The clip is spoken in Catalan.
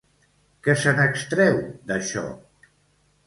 Què se n'extreu d'això?